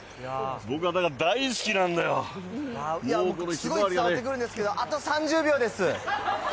すごい伝わってくるんですけど、あと３０秒です。